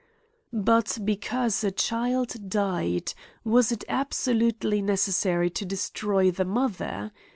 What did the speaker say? But because a child died, was it obsoiutely ne cessary to destroy the mother